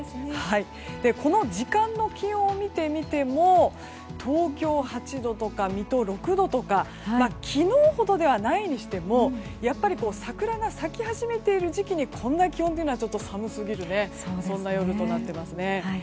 この時間の気温を見てみても東京、８度とか水戸、６度とか昨日ほどではないにしても桜が咲き始めている時期にこんな気温というのはちょっと寒すぎる夜となっていますね。